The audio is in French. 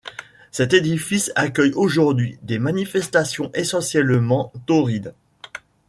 Cet édifice accueille aujourd'hui des manifestations essentiellement taurines.